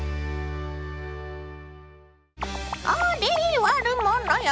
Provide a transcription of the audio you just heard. あれ悪者よ。